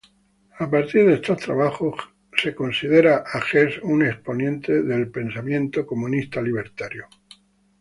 A partir de estos trabajos Hess es considerado un exponente del libertarismo de izquierda.